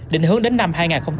định hướng đến năm hai nghìn ba mươi